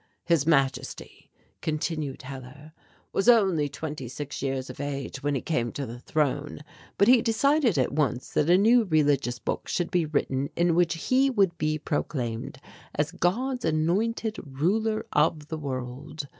"His Majesty," continued Hellar, "was only twenty six years of age when he came to the throne, but he decided at once that a new religious book should be written in which he would be proclaimed as 'God's Anointed ruler of the World.'